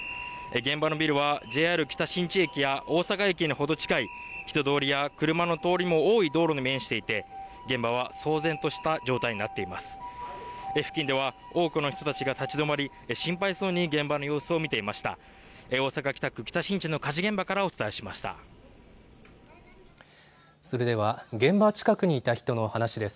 現場のビルはＪＲ北新地駅や大阪駅に程近い人通りや車の通りも多い道路に面していて現場は騒然とした状態になっています。